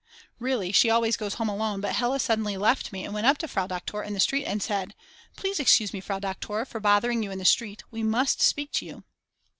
Really she always goes home alone but Hella suddenly left me and went up to Frau Doktor in the street and said: Please excuse me Frau Doktor for bothering you in the street, we must speak to you.